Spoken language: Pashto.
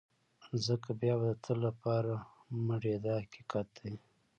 ځکه بیا به د تل لپاره مړ یې دا حقیقت دی.